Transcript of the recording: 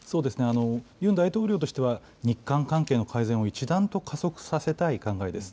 ユン大統領としては、日韓関係の改善を一段と加速させたい考えです。